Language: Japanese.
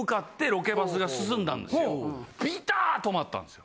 ピターッ止まったんですよ。